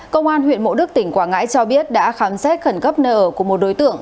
công an huyện mộ đức tỉnh quảng ngãi cho biết đã khám xét khẩn cấp nợ của một đối tượng